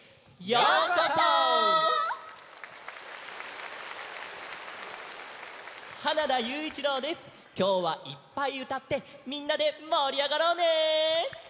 きょうはいっぱいうたってみんなでもりあがろうね！